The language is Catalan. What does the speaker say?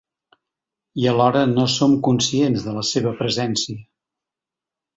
I alhora no som conscients de la seva presència.